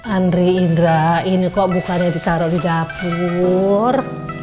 anri indra ini kok bukanya di taro di dapuuuur